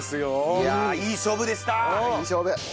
いやいい勝負でした！